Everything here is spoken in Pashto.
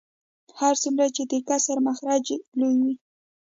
هر څومره چې د کسر مخرج لوی وي